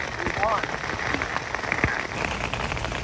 Read on, O priest, and pass and go!